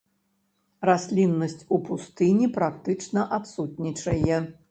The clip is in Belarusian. Расліннасць у пустыні практычна адсутнічае.